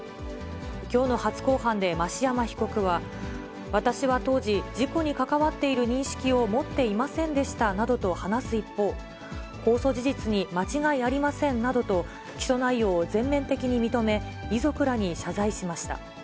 きょうの初公判で増山被告は、私は当時、事故に関わっている認識を持っていませんでしたなどと話す一方、公訴事実に間違いありませんなどと、起訴内容を全面的に認め、遺族らに謝罪しました。